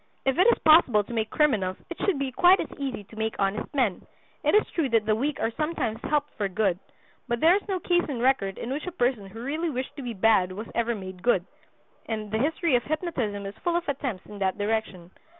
If it is possible to make criminals it should be quite as easy to make honest men. It is true that the weak are sometimes helped for good; but there is no case on record in which a person who really wished to be bad was ever made good; and the history of hypnotism is full of attempts in that direction.